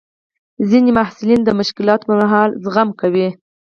ځینې محصلین د مشکلاتو پر مهال زغم کوي.